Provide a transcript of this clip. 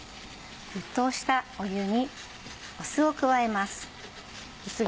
沸騰した湯に酢を加えます。